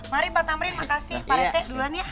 mari pak tamrin makasih pak rete duluan ya